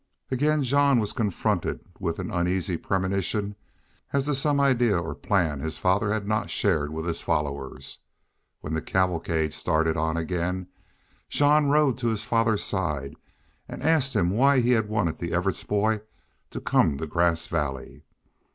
Again Jean was confronted with an uneasy premonition as to some idea or plan his father had not shared with his followers. When the cavalcade started on again Jean rode to his father's side and asked him why he had wanted the Evarts boy to come to Grass Valley.